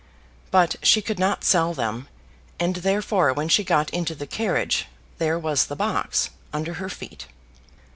But she could not sell them, and therefore when she got into the carriage there was the box under her feet.